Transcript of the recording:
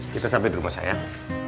kita sampai di rumah sayang